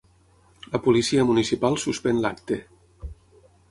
La policia municipal suspèn l'acte.